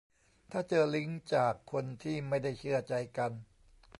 ถ้าเจอลิงก์จากคนที่ไม่ได้เชื่อใจกัน